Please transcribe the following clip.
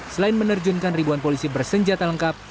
selain menerjunkan ribuan polisi bersenjata lengkap